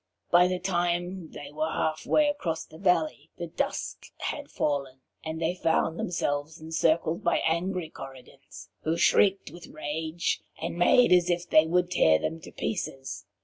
By the time they were half way across the valley, the dusk had fallen, and they found themselves encircled by angry Korrigans, who shrieked with rage and made as if they would tear them to pieces.